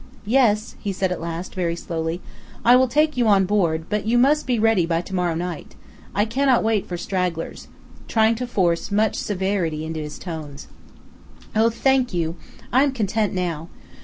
"Yes," he said at last, very slowly, "I will take you on board; but you must be ready by to morrow night. I cannot wait for stragglers," trying to force much severity into his tones. "Oh, thank you! I am content now.